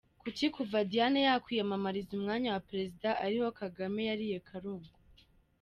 Kuki kuva Diane yakwiyamamariza umwanya wa Perezida ariho Kagame yariye karungu ?